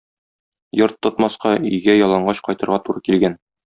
Йорт тотмаска өйгә ялангач кайтырга туры килгән.